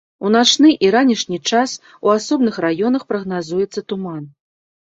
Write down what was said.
У начны і ранішні час у асобных раёнах прагназуецца туман.